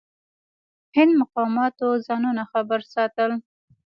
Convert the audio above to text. هند مقاماتو ځانونه خبر ساتل.